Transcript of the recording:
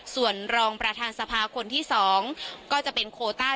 ส่วนรองประธานสภาคนที่๒ก็จะเป็นโคต้า